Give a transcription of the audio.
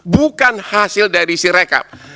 bukan hasil dari sirekap